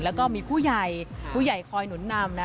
แล้วก็มีผู้ใหญ่ผู้ใหญ่คอยหนุนนำนะ